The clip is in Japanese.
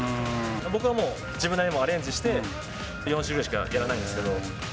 僕はもう、自分なりにアレンジして、４種類ぐらいしかやらないん